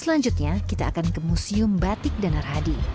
selanjutnya kita akan ke museum batik dan narhadi